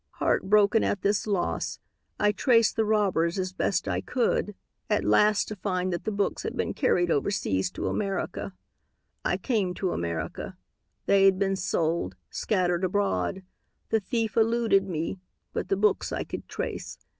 "Heartbroken at this loss, I traced the robbers as best I could at last to find that the books had been carried overseas to America. "I came to America. They had been sold, scattered abroad. The thief eluded me, but the books I could trace.